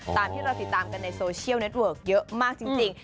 ตามที่เราติดตามกันในโซเชียลเน็ตเวิร์กเยอะมากจริง